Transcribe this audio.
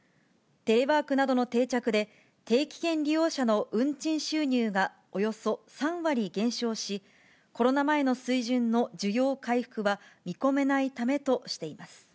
テレワークなどの定着で、定期券利用者の運賃収入がおよそ３割減少し、コロナ前の水準の需要回復は見込めないためとしています。